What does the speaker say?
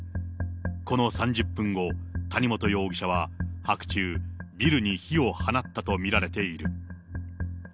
この３０分後、谷本容疑者は白昼、ビルに火を放ったと見られている。